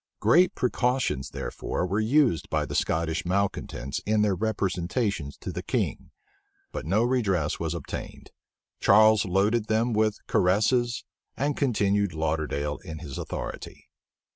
Great precautions, therefore, were used by the Scottish malecontents in their representations to the king; but no redress was obtained. Charles loaded them with caresses, and continued Lauderdale in his authority.